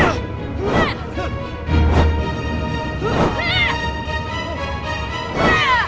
aku akan memb databag